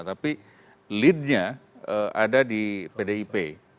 tapi leadnya ada di pdip